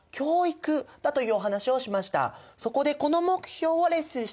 そこでこの目標をレッスンしちゃおう。